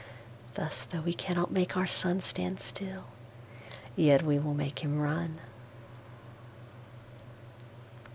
Thus, though we cannot make our SunStand still, yet we will make him run.